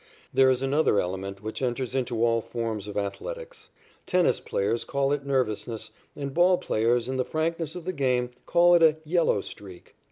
There is another element which enters into all forms of athletics. Tennis players call it nervousness, and ball players, in the frankness of the game, call it a "yellow streak."